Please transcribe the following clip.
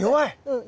うん。